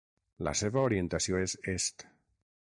La seva orientació és Est.